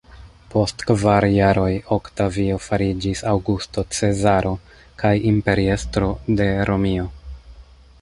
Post kvar jaroj, Oktavio fariĝis Aŭgusto Cezaro kaj imperiestro de Romio.